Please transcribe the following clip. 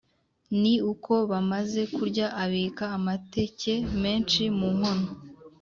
ni uko bamaze kurya abika amateke menshi mu nkono,